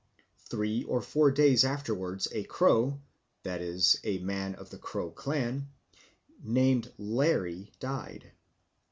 Three or four days afterwards a Boortwa (crow) [i.e. a man of the Crow clan] named Larry died.